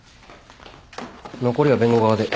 残りは弁護側で。